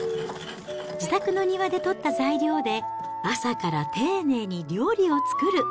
自宅の庭で取った材料で、朝から丁寧に料理を作る。